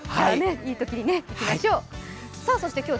いい時に行きましょう。